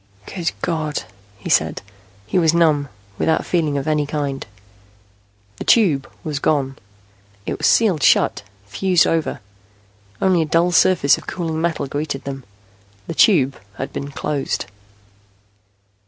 "Good God," he said. He was numb, without feeling of any kind. The Tube was gone. It was sealed shut, fused over. Only a dull surface of cooling metal greeted them. The Tube had been closed.